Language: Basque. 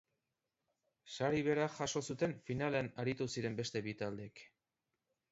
Sari bera jaso zuten finalean aritu ziren beste bi taldeek.